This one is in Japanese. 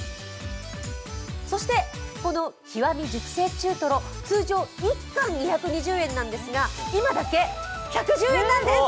そして、この極み熟成中とろ、通常、１貫２２０円なんですが今だけ１１０円なんです！